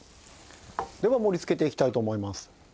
では盛りつけていきたいと思います。